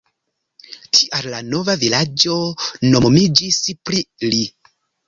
Tial la nova vilaĝo nomumiĝis pri li.